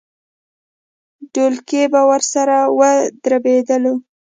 ډولکی به ورسره ودربېدلو.